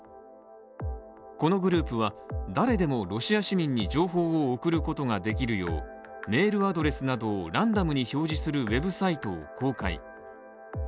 このグループは誰でもロシア市民に情報を送ることができるよう、メールアドレスなどをランダムに表示するウェブサイトを公開。